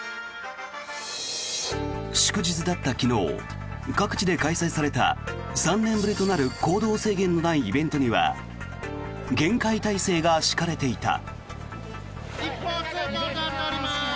祝日だった昨日各地で開催された３年ぶりとなる行動制限のないイベントには厳戒態勢が敷かれていた。